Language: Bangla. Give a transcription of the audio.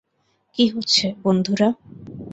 কী হচ্ছে, বন্ধুরা?